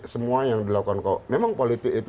semua yang dilakukan memang politik itu